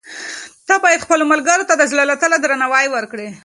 ته باید خپلو ملګرو ته د زړه له تله درناوی وکړې.